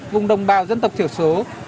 vùng đồng bào dân tộc thiểu số